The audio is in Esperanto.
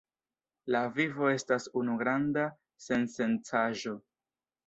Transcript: La vivo estas unu granda sensencaĵo.